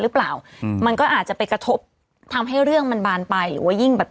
หรือเปล่าอืมมันก็อาจจะไปกระทบทำให้เรื่องมันบานไปหรือว่ายิ่งแบบ